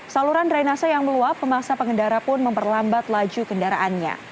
saluran drainase yang meluap memaksa pengendara pun memperlambat laju kendaraannya